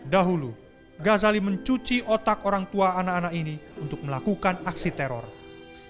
dahulu ghazali mencuci otak orang tua anak anak ini untuk melakukan aksi teror